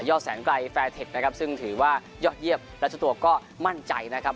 ยอดแสงไกรนะครับซึ่งถือว่ายอดเยียบและทุกตัวก็มั่นใจนะครับ